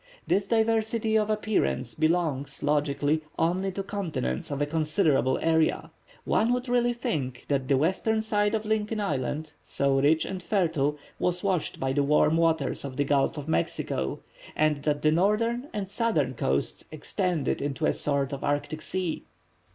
This diversity of appearance belongs, logically, only to continents of a considerable area. One would really think that the western side of Lincoln Island, so rich and fertile, was washed by the warm waters of the Gulf of Mexico, and that the northern and southern coasts extended into a sort of Arctic Sea."